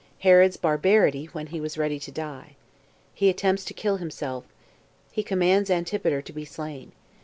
Herod's Barbarity When He Was Ready To Die. He Attempts To Kill Himself. He Commands Antipater To Be Slain.